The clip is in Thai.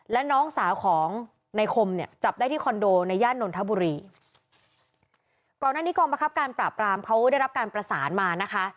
และน้องสาวของในคมเนี่ยจับได้ที่คอนโดในย่านนทบุรีก่อนหน้านี้กองประคับการปราบรามเขาได้รับการประสานมานะคะ